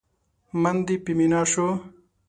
من دې په مينا شو؟!